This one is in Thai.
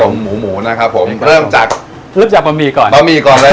คำจาเตียวหมูหมูนะครับผมเริ่มจากลึกจากปะหมี่ก่อนปะหมี่ก่อนเลยอ่ะ